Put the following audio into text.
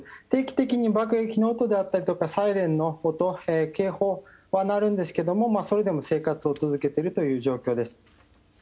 定期的に爆撃の音であったりサイレンの音警報は鳴るんですけどもそれでも生活を続けているという状況です。